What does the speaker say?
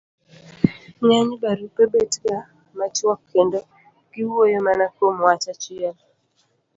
ng'eny barupe bet ga machuok kendo giwuoyo mana kuom wach achiel